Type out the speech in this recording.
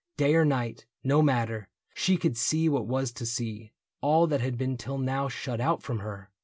Day or night, No matter ; she could see what was to see — All that had been till now shut out from her.